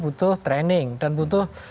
butuh training dan butuh